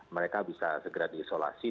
mereka bisa segera diisolasi